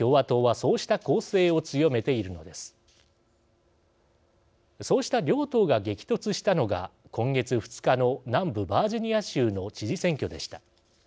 そうした両党が激突したのが今月２日の南部バージニア州の知事選挙でした。